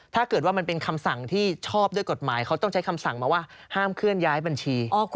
ถ้าเกิดว่ามันเป็นคำสั่งที่ชอบด้วยกฎหมายเขาต้องใช้คำสั่งมาว่าห้ามเคลื่อนย้ายบัญชี